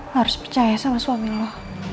harus percaya sama suami lo